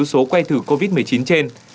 số que thử covid một mươi chín trên